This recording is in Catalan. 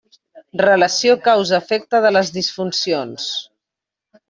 Relació causa efecte de les disfuncions.